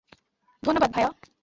ধন্যবাদ, ভায়া।